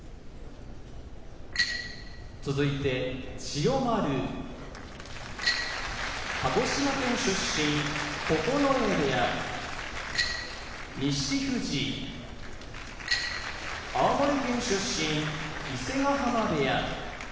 千代丸鹿児島県出身九重部屋錦富士青森県出身伊勢ヶ濱部屋